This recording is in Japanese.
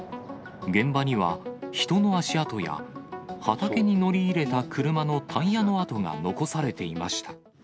現場には人の足跡や、畑に乗り入れた車のタイヤの跡が残されていました。